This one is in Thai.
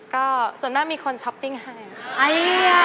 ก็ส่วนหน้ามีคนช้อปปิ้งให้